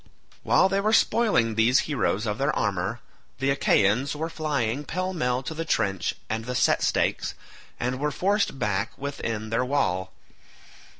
While they were spoiling these heroes of their armour, the Achaeans were flying pell mell to the trench and the set stakes, and were forced back within their wall.